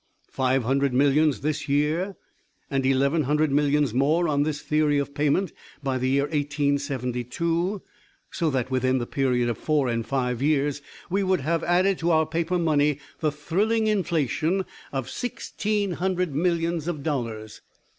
Five hundred millions this year, and eleven hundred millions more on this theory of payment by the year 1872; so that within the period of four or five years we would have added to our paper money the thrilling inflation of sixteen hundred millions of dollars.